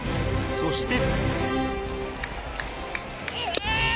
そして。